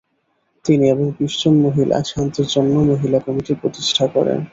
তিনি এবং বিশ জন মহিলা শান্তির জন্য মহিলা কমিটি প্রতিষ্ঠা করেন।